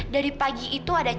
dan ternyata tukang itu kandungan